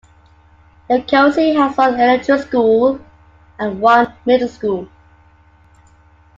Yokoze has one elementary schools and one middle school.